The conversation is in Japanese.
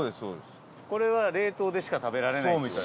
これは冷凍でしか食べられないみたい。